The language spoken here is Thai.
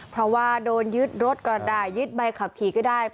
เพราะว่าโดนยึดรถก็ได้ยึดใบขับขี่ก็ได้